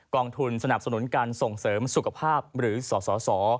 องทุนสนับสนุนการส่งเสริมสุขภาพหรือสส